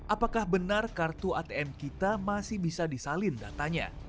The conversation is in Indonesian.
apakah benar kartu atm kita masih bisa disalin datanya